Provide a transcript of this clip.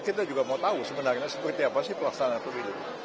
kita juga mau tahu sebenarnya seperti apa sih pelaksanaan pemilu